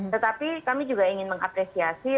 tetapi kami juga ingin mengapresiasi